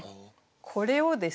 これをですね